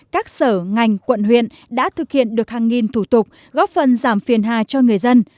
các sở ngành quận huyện đã thực hiện được hàng nghìn thủ tục góp phần giảm phiền hà cho người dân